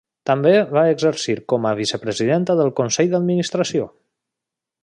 També va exercir com a vicepresidenta del Consell d'administració.